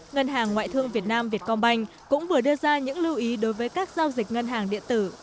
ngân hàng ngoại thương việt nam việt công banh cũng vừa đưa ra những lưu ý đối với các giao dịch ngân hàng điện tử